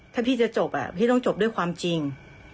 ถ้าพี่จะจบพี่ต้องจบด้วยความจริง